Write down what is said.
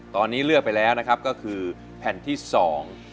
ตอนนี้เลือกไปแล้วนะครับก็คือแผ่นที่สอง